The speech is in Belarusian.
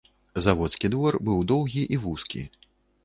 Заводскі двор быў доўгі і вузкі.